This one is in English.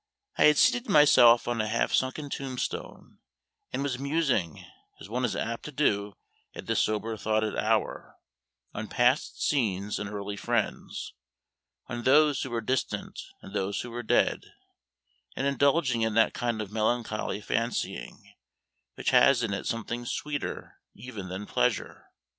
I had seated myself on a half sunken tombstone, and was musing, as one is apt to do at this sober thoughted hour, on past scenes and early friends on those who were distant and those who were dead and indulging in that kind of melancholy fancying which has in it something sweeter even than pleasure.